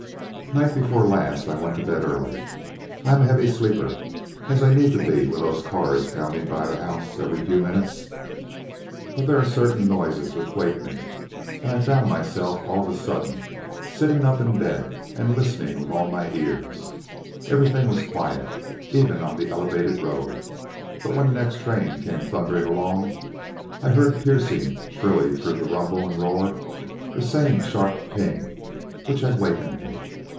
Night before last I went to bed early. I am a heavy sleeper, as I need to be with those cars pounding by the house every few minutes. But there are certain noises which wake me, and I found myself all of a sudden sitting up in bed and listening with all my ears. Everything was quiet, even on the elevated road; but when the next train came thundering along, I heard, piercing shrilly through the rumble and roar, that same sharp ping which had wakened me.